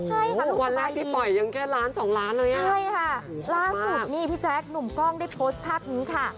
ใช่ค่ะวันแรกที่ปล่อยยังแค่ล้านสองล้านเลยอ่ะใช่ค่ะล่าสุดนี่พี่แจ๊คหนุ่มกล้องได้โพสต์ภาพนี้ค่ะ